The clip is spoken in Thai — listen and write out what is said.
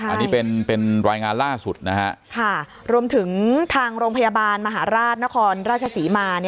อันนี้เป็นรายงานล่าสุดนะฮะรวมถึงทางโรงพยาบาลมหาราชนครราชศรีมา